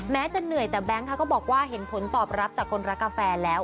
จะเหนื่อยแต่แบงค์ค่ะก็บอกว่าเห็นผลตอบรับจากคนรักกาแฟแล้ว